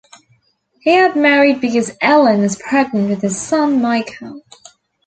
He had married because Ellen was pregnant with his son, Michael.